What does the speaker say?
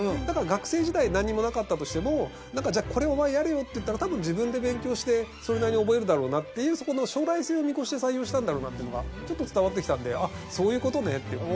だから学生時代なんにもなかったとしてもなんかじゃあこれお前やれよって言ったら多分自分で勉強してそれなりに覚えるだろうなっていうそこの将来性を見越して採用したんだろうなっていうのがちょっと伝わってきたのであっそういう事ねって。